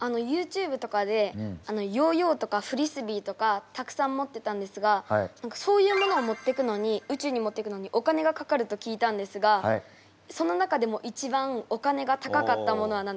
ＹｏｕＴｕｂｅとかでヨーヨーとかフリスビーとかたくさん持ってたんですがそういうものを宇宙に持っていくのにお金がかかると聞いたんですがその中でも一番お金が高かったものは何ですか？